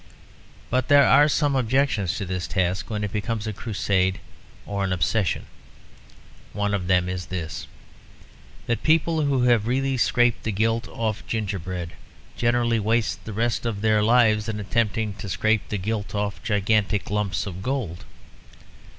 But there are some objections to this task when it becomes a crusade or an obsession. One of them is this: that people who have really scraped the gilt off gingerbread generally waste the rest of their lives in attempting to scrape the gilt off gigantic lumps of gold.